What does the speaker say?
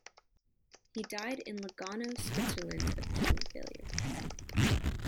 He died in Lugano, Switzerland of kidney failure.